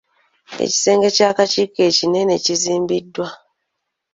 Ekisenge ky'akakiiko ekinene kizimbibwa.